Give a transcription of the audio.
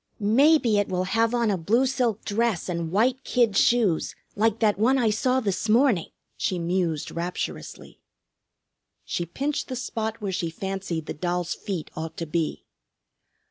"Maybe it will have on a blue silk dress and white kid shoes, like that one I saw this morning!" she mused rapturously. She pinched the spot where she fancied the doll's feet ought to be.